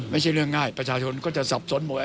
ไม่ใช่เรื่องง่ายประชาชนก็จะสับสนหมด